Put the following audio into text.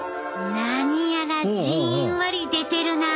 何やらじんわり出てるなあ。